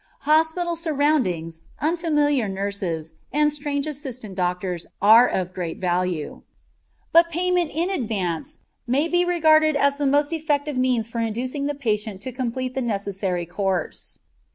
Hospital surroundings, unfamiliar nurses, and strange assistant doctors are of great value; but payment in advance may be regarded as the most effective means for inducing the patient to complete the necessary course.